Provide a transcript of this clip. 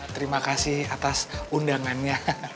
terima kasih atas undangannya